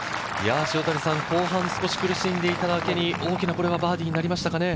後半、少し苦しんでいただけに大きなバーディーになりましたかね。